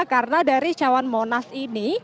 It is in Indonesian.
karena dari cawan monas ini